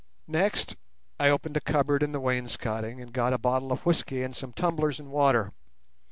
Next, I opened a cupboard in the wainscoting and got a bottle of whisky and some tumblers and water.